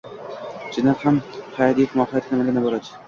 Chindan ham haѐt mohiyati nimadan iborat?